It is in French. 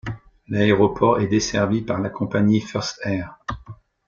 L’aéroport est desservi par la compagnie First Air.